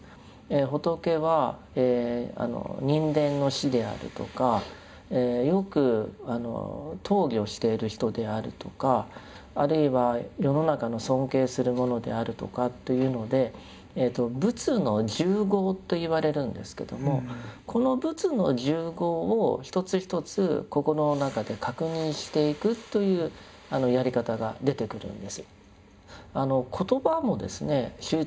仏は人間の師であるとかよく討議をしている人であるとかあるいは世の中の尊敬するものであるとかっていうので「仏の十号」と言われるんですけどもこの仏の十号を一つ一つ心の中で確認していくというやり方が出てくるんです。